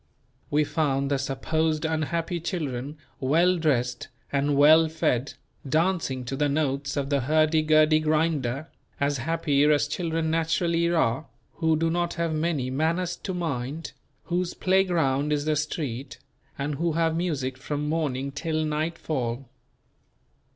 We found the supposed unhappy children, well dressed and well fed, dancing to the notes of the hurdy gurdy grinder, as happy as children naturally are, who do not have many "manners to mind," whose playground is the street, and who have music from morning till nightfall.